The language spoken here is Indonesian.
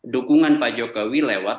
dukungan pak jokowi lewat